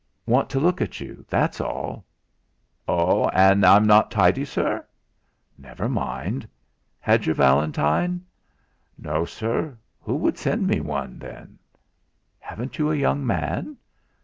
"Want to look at you, that's all." "Oh I an' I'm not tidy, sirr." "Never mind. Had your valentine?" "No, sirr; who would send me one, then?" "Haven't you a young man?"